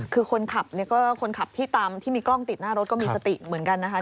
คือคนขับที่มีกล้องติดหน้ารถก็มีสติเหมือนกันนะครับ